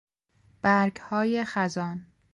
برگهای خزان